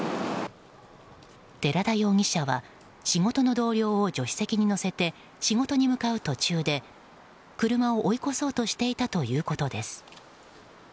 寺田容疑者は仕事の同僚を助手席に乗せて仕事に向かう途中で車を追い越そうとしていたということです。